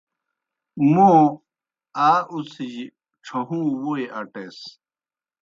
موں آ اُڅِھجیْ ڇھہُوں ووئی اٹیس۔